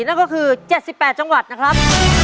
นั่นก็คือ๗๘จังหวัดนะครับ